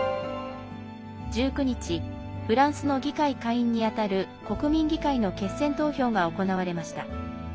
１９日、フランスの議会下院に当たる国民議会の決選投票が行われました。